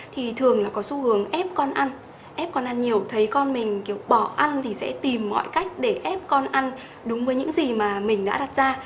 thì thường là có xu hướng ép con ăn ép con ăn nhiều thấy con mình kiểu bỏ ăn thì sẽ tìm mọi cách để ép con ăn đúng với những gì mà mình đã đặt ra